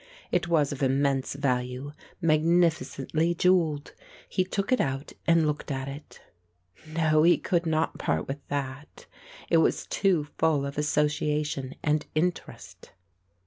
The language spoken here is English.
It was of immense value, magnificently jewelled. He took it out and looked at it. No, he could not part with that. It was too full of association and interest.